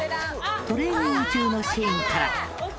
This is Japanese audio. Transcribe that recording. トレーニング中のシーンから。